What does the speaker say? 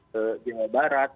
ke jawa barat